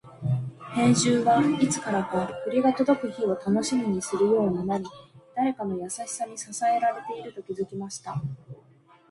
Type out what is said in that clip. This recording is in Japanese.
兵十は、いつからか栗が届く日を楽しみにするようになり、誰かの優しさに支えられていると気づきました。